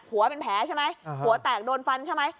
หัวเป็นแผลใช่ไหมหัวแตกโดนฟันใช่ไหม